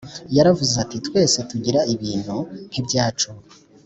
Yaravuze ati twese tugira ibintu nkibyacu.